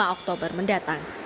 lima oktober mendatang